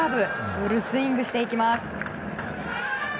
フルスイングしていきます。